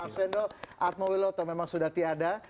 arswendo atma wiloto memang sudah tiada